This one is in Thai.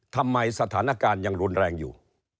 สถานการณ์ยังรุนแรงอยู่